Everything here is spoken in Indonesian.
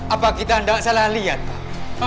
apa kita tidak salah lihat pak